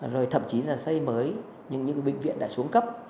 rồi thậm chí là xây mới những cái bệnh viện đã xuống cấp